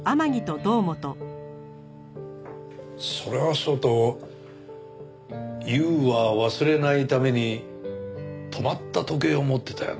それはそうと悠は忘れないために止まった時計を持ってたよな。